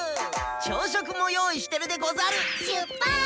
朝食も用意してるでござる！